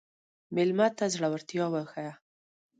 مېلمه ته زړورتیا وښیه.